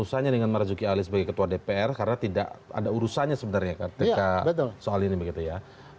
urusannya dengan marzuki ali sebagai ketua dpr karena tidak ada urusannya sebenarnya ketika soal ini begitu ya